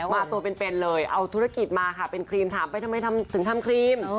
มาตัวเป็นเลยเอาธุรกิจมาค่ะเป็นครีมถามไปทำไมถึงทำครีม